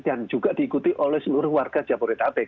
dan juga diikuti oleh seluruh warga jamboree tapek